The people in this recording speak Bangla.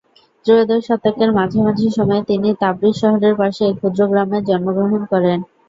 ত্রয়োদশ শতকের মাঝামাঝি সময়ে তিনি তাবরিজ শহরের পাশে এক ক্ষুদ্র গ্রামে জন্মগ্রহণ করেন।